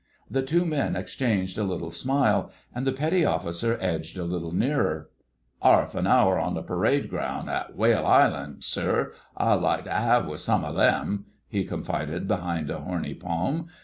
The two men exchanged a little smile, and the Petty Officer edged a little nearer— "'Arf an hour on the parade ground at Whale Island,[#] sir, I'd like to 'ave with some of 'em," he confided behind a horny palm.